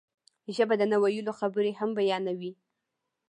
ژبه د نه ویلو خبرې هم بیانوي